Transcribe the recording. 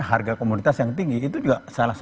harga komunitas yang tinggi itu juga